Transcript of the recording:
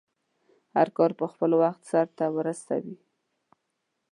هرکار په خپل وخټ سرته ورسوی